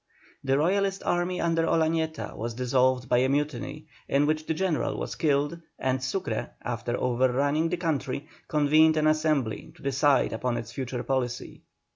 The Royalist army under Olañeta was dissolved by a mutiny, in which that General was killed, and Sucre, after overrunning the country, convened an Assembly to decide upon its future policy.